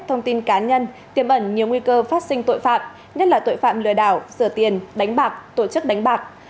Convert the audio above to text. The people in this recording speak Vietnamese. thông tin cá nhân tiềm ẩn nhiều nguy cơ phát sinh tội phạm nhất là tội phạm lừa đảo rửa tiền đánh bạc tổ chức đánh bạc